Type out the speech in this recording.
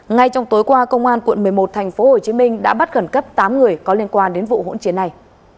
ngay trong tối qua công an quận một mươi một tp hcm đã bắt gần cấp tám người có liên quan đến vụ hỗn chiến này